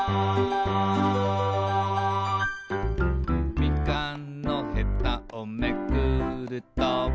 「みかんのヘタをめくると」